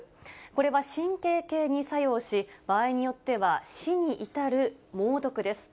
これは神経系に作用し、場合によっては死に至る猛毒です。